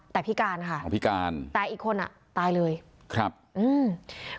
แต่พิการค่ะแต่อีกคนตายเลยพิการ